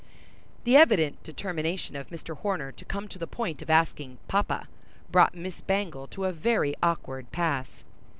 The evident determination of Mr. Horner to come to the point of asking papa brought Miss Bangle to a very awkward pass.